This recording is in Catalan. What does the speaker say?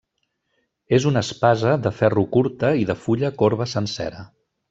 És una espasa de ferro curta i de fulla corba sencera.